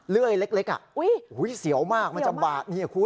เลื่อยเล็กอ่ะอุ๊ยเสียวมากมันจะบาด